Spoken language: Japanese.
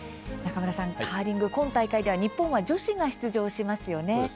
中村さん、カーリング今大会では日本は女子が出場しますね。